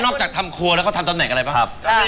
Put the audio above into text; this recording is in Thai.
นอกจากทำครัวแล้วทำตำแหน่กอะไรป่ะ